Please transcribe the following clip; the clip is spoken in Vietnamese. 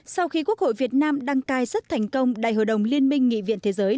sau khi quốc hội việt nam đăng cai rất thành công đại hội đồng liên minh nghị viện thế giới